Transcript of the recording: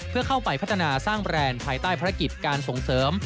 เพื่อเข้าไปพัฒนาสร้างแบรนด์ภายใต้ภารกิจการส่งเสริม